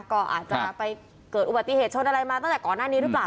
ก็อาจจะไปเกิดอุบัติเหตุชนอะไรมาตั้งแต่ก่อนหน้านี้หรือเปล่า